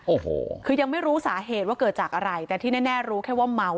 โอ้โหคือยังไม่รู้สาเหตุว่าเกิดจากอะไรแต่ที่แน่รู้แค่ว่าเมา